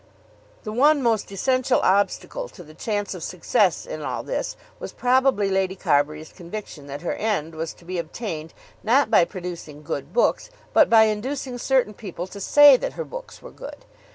The one most essential obstacle to the chance of success in all this was probably Lady Carbury's conviction that her end was to be obtained not by producing good books, but by inducing certain people to say that her books were good.